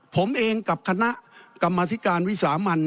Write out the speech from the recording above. ผมเองกับคณะกรรมธิการวิสามัน